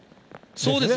そうです。